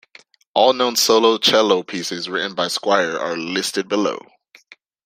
All known solo cello pieces written by Squire are listed below.